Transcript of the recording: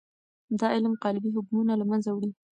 دا علم قالبي حکمونه له منځه وړي.